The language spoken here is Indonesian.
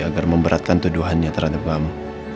agar memberatkan tuduhannya terhadap kamu